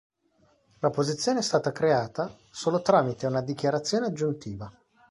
La posizione è stata creata solo tramite una dichiarazione aggiuntiva.